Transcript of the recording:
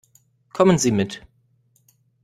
Kommen Sie mit.